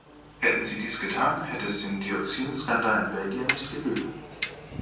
Hätten Sie dies getan, hätte es den Dioxinskandal in Belgien nicht gegeben.